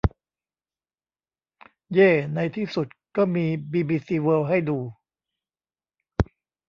เย่ ในที่สุดก็มีบีบีซีเวิลด์ให้ดู